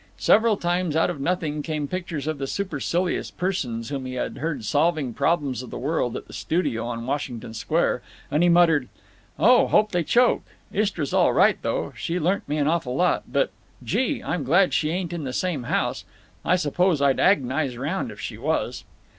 Several times out of nothing came pictures of the supercilious persons whom he had heard solving the problems of the world at the studio on Washington Square, and he muttered: "Oh, hope they choke. Istra's all right, though; she learnt me an awful lot. But—gee! I'm glad she ain't in the same house; I suppose I'd ag'nize round if she was."